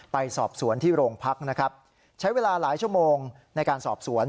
ไปสอบสวนที่โรงพักนะครับใช้เวลาหลายชั่วโมงในการสอบสวน